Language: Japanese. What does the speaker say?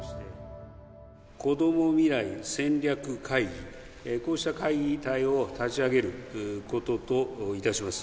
こども未来戦略会議、こうした会議を立ち上げることといたします。